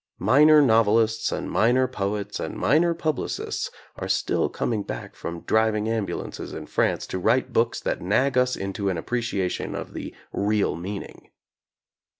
Minor novelists and minor poets and minor pub licists are still coming back from driving ambu lances in France to write books that nag us into an appreciation of the "real meaning."